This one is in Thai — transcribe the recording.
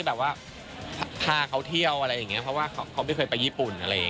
บอยกลัวไหมแบบนี้จะไม่มีสาวคนไหนไปเที่ยวกับครอบครัวเราเลย